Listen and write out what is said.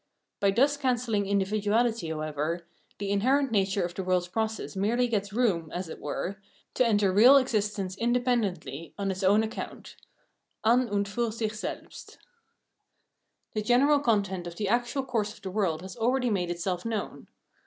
By thus cancelling indi\"iduahty, however, the inherent nature of the world's process merely gets room, as it were, to enter real existence independently on its own account {an und fur sich selhst). The general content of the actual course of the world has already made itself known.